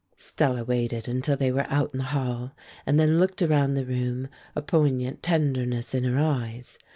Stella waited until they were out in the hall, and then looked around the room, a poignant tenderness in her eyes.